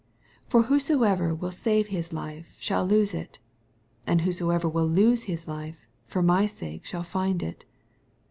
25 For whosoever will save his life shall lose it : and whosoever will lose his life for my sake shall find it.